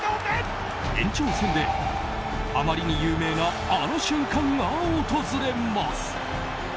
延長戦で、あまりに有名なあの瞬間が訪れます。